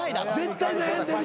絶対悩んでる。